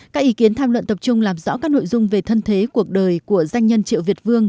các ý kiến tham luận tập trung làm rõ các nội dung về thân thế cuộc đời của danh nhân triệu việt vương